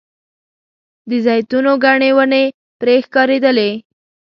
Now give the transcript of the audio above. د زیتونو ګڼې ونې پرې ښکارېدلې.